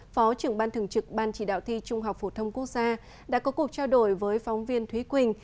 phó trưởng ban thường trực ban chỉ đạo thi trung học phổ thông quốc gia đã có cuộc trao đổi với phóng viên thúy quỳnh